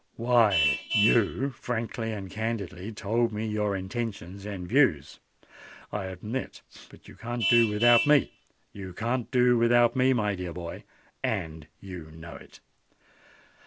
"Why—you frankly and candidly told me your intentions and views, I admit;—but you can't do without me—you can't do without me, my dear boy—and you know it!"